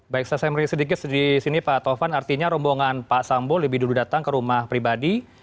baik saya samri sedikit di sini pak taufan artinya rombongan pak sambo lebih dulu datang ke rumah pribadi